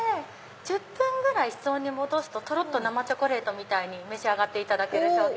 １０分ぐらい室温に戻すととろっと生チョコレートみたいに召し上がっていただける商品。